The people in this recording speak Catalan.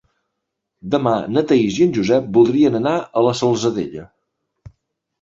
Demà na Thaís i en Josep voldrien anar a la Salzadella.